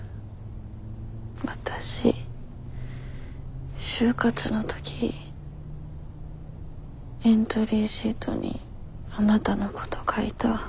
わたし就活の時エントリーシートにあなたのこと書いた。